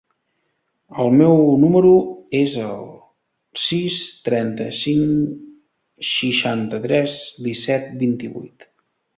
El meu número es el sis, trenta-cinc, seixanta-tres, disset, vint-i-vuit.